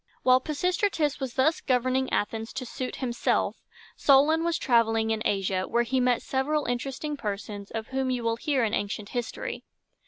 While Pisistratus was thus governing Athens to suit himself, Solon was traveling in Asia, where he met several interesting persons of whom you will hear in ancient history.